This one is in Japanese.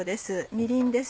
みりんです。